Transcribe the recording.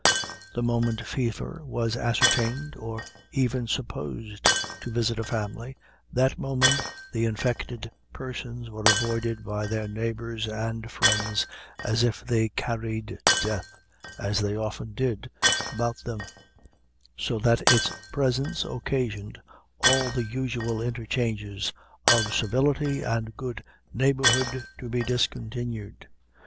The moment fever was ascertained, or even supposed to visit a family, that moment the infected persons were avoided by their neighbors and friends, as if they carried death, as they often did, about them; so that its presence occasioned all the usual interchanges of civility and good neighborhood to be discontinued.